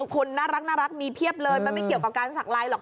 คนน่ารักมีเพียบเลยมันไม่เกี่ยวกับการสักลายหรอก